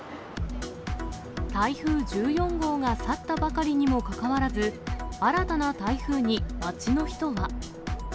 台風１４号が去ったばかりにもかかわらず、新たな台風に街の人は。